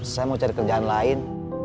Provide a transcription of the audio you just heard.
saya mau cari kerjaan lain